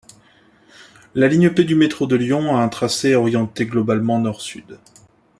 La ligne B du métro de Lyon a un tracé orienté globalement nord-sud.